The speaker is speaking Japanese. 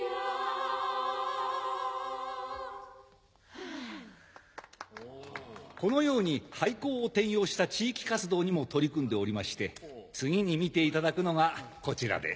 アアこのように廃校を転用した地域活動にも取り組んでおりまして次に見ていただくのがこちらで。